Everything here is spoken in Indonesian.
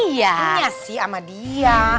belinya sih sama dia